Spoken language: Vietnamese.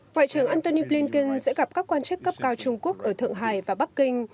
ngoại trưởng antony blinken sẽ gặp các quan chức cấp cao trung quốc ở thượng hải và bắc kinh